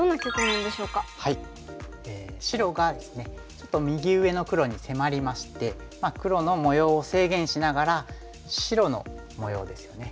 ちょっと右上の黒に迫りまして黒の模様を制限しながら白の模様ですよね